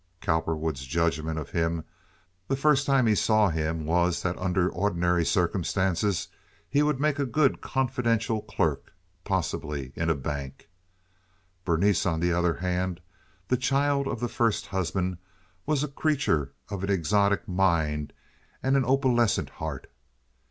Cowperwood's judgment of him the first time he saw him was that under ordinary circumstances he would make a good confidential clerk, possibly in a bank. Berenice, on the other hand, the child of the first husband, was a creature of an exotic mind and an opalescent heart.